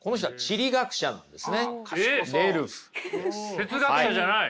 哲学者じゃない。